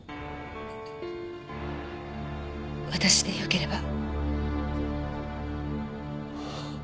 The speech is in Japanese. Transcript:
私でよければ。